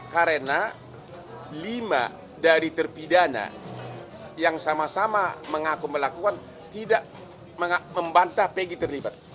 karena lima dari terpidana yang sama sama mengaku melakukan tidak membantah peggy terlibat